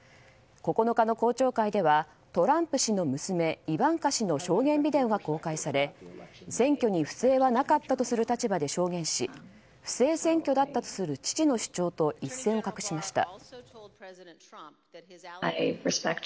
９日の公聴会ではトランプ氏の娘イバンカ氏の証言ビデオが公開され選挙に不正はなかったとする立場で証言し不正選挙だったとする父の主張と一線を画しました。